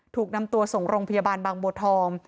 ถูกนำตัวส่งโรงพยาบาลบางบัวทอง